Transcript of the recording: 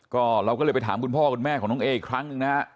ก็เราก็เลยไปถามคุณพ่อคุณแม่ของน้องเออีกครั้งหนึ่งนะฮะ